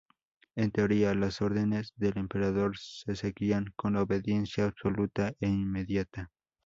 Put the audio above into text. En teoría, las órdenes del emperador se seguían con obediencia absoluta e inmediata.